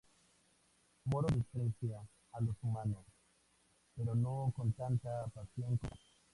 Moro desprecia a los humanos, pero no con tanta pasión como San.